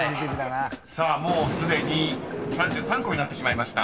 ［さあもうすでに３３個になってしまいました］